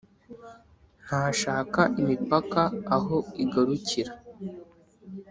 ntashaka imipaka aho igarukira;